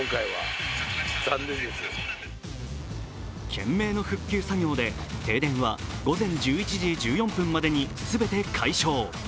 懸命の復旧作業で、停電は午前１１時１４分までに全て解消。